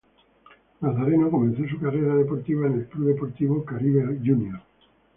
Nazareno comenzó su carrera deportiva en el Club Deportivo Caribe Junior.